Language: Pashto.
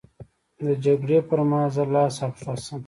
د جګړې پر مهال زه لاس او پښه شم.